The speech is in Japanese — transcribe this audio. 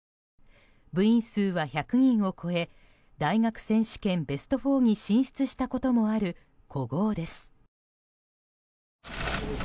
部員数は１００人を超え大学選手権ベスト４に進出したこともある古豪です。